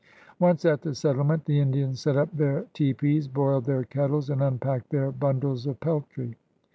Once at the settlement, the Indians set up their tepees, boiled their kettles, and unpacked their bimdles of peltry.